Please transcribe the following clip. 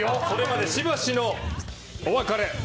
それまでしばしのお別れ。